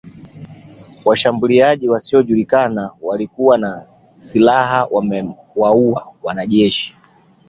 Washambuliaji wasiojulikana waliokuwa na silaha wamewaua wanajeshi